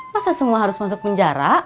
masa semua harus masuk penjara